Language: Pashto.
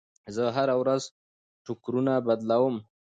زه هره ورځ ټوکرونه بدلوم.